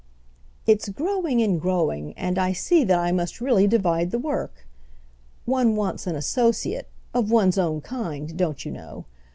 "It's growing and growing, and I see that I must really divide the work. One wants an associate—of one's own kind, don't you know?